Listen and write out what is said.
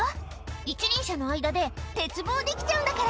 「一輪車の間で鉄棒できちゃうんだから」